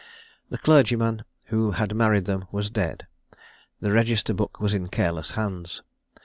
The clergyman who had married them was dead. The register book was in careless hands.